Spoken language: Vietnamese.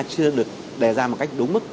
chưa được đề ra một cách đúng mức